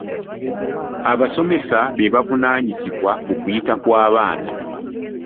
Abasomesa be bavunaanyizibwa ku kuyita kw'abaana.